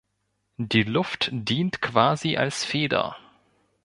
Die Luft dient quasi als Feder.